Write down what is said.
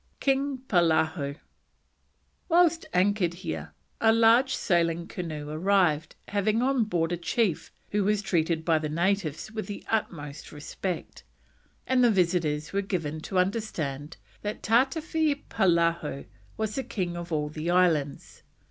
KING POLAHO. Whilst anchored here, a large sailing canoe arrived, having on board a chief who was treated by the natives with the utmost respect, and the visitors were given to understand that Tattafee Polaho was the king of all the islands.